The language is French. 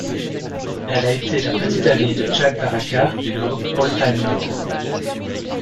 Elle a été la petite amie de Jack Barakat du groupe All Time Low.